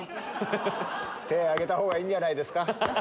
手挙げたほうがいいんじゃないですか？